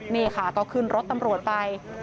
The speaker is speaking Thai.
นี่ค่ะก็ขึ้นรถตำรวจไป